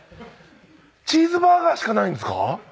チーズバーガーしかないんですか？